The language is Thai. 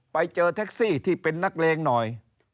ไปเจอแท็กซี่ที่เป็นนักเลงหน่อย